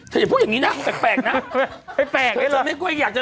ให้พูดแบกแปลกนะ